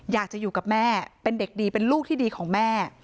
อยากจะอยู่กับแม่เป็นเด็กดีเป็นลูกที่ดีของแม่